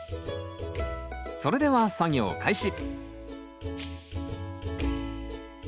それでは作業開始！